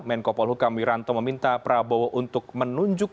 menko polhuka miranto meminta prabowo untuk menunjukkan